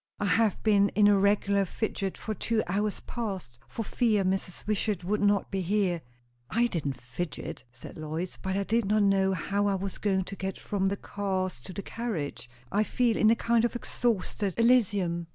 "I have been in a regular fidget for two hours past, for fear Mrs. Wishart would not be here." "I didn't fidget," said Lois, "but I did not know how I was going to get from the cars to the carriage. I feel in a kind of exhausted Elysium!"